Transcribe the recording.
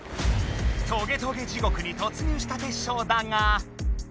トゲトゲ地ごくにとつ入したテッショウだが。